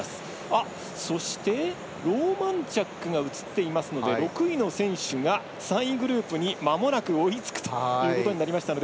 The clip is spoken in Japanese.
そして、ローマンチャックが６位の選手が３位グループにまもなく追いつくことになりました。